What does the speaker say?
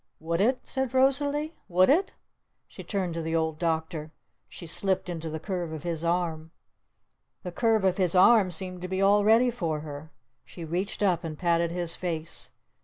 "Would it?" said Rosalee. "Would it?" She turned to the Old Doctor. She slipped into the curve of his arm. The curve of his arm seemed to be all ready for her. She reached up and patted his face.